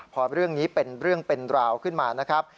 พอเรื่องนี้เป็นเรื่องเป็นราวขึ้นมานะครับ